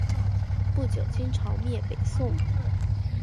不久金朝灭北宋。